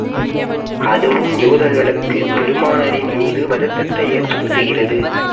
அதுவும் யூதர்களுக்குப் பெருமானாரின் மீது வருத்தத்தை ஏற்படுத்தியது.